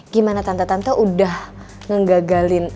gimana tante tante udah ngegagalin